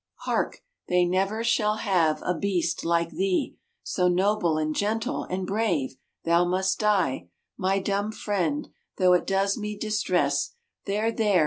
Hark! they never shall have A beast like thee; So noble and gentle And brave, thou must die, My dumb friend, Though it does me distress, There! There!